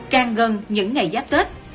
càng gần những ngày giáp tết